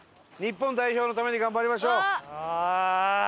日本代表のために頑張りましょう！